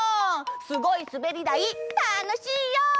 すごいすべりだいたのしいよ！